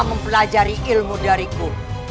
mempelajari ilmu dariku